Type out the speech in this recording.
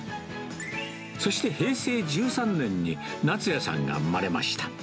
そして平成１３年に夏也さんが産まれました。